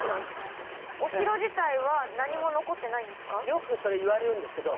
よくそれ言われるんですけど。